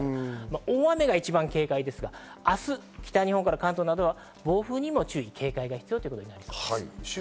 大雨が一番警戒ですが明日、北日本から関東などは暴風にも注意・警戒が必要です。